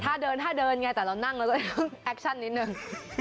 ถ้าเดินท่าเดินไงแต่เรานั่งเราจะแอคชั่นนิดนึง